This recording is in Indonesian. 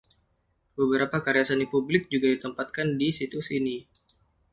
Beberapa karya seni publik juga ditempatkan di situs ini.